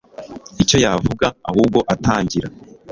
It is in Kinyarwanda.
icyo yavuga ahubwo atangira